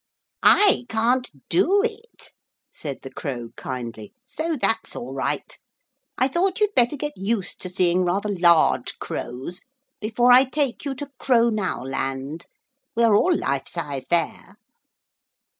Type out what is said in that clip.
'I can't do it,' said the Crow kindly, 'so that's all right. I thought you'd better get used to seeing rather large crows before I take you to Crownowland. We are all life size there.'